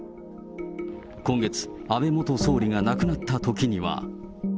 今月、安倍元総理が亡くなったときには。